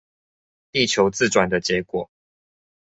地球自轉的結果